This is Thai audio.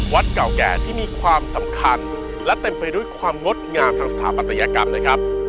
เก่าแก่ที่มีความสำคัญและเต็มไปด้วยความงดงามทางสถาปัตยกรรมนะครับ